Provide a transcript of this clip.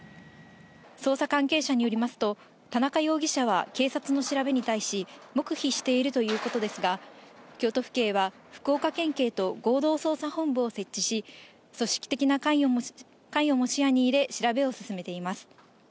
捜査関係者によりますと、田中容疑者は警察の調べに対し、黙秘しているということですが、京都府警は福岡県警と合同捜査本部を設置し、組織的な関与も視野に入れ、調べを進めています。